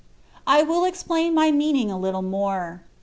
I will explain my meaning a little more.